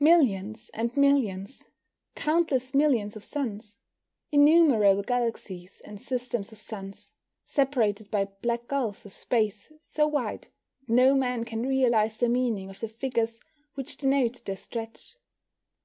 Millions and millions countless millions of suns. Innumerable galaxies and systems of suns, separated by black gulfs of space so wide that no man can realise the meaning of the figures which denote their stretch.